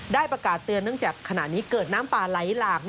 ประกาศเตือนเนื่องจากขณะนี้เกิดน้ำป่าไหลหลาก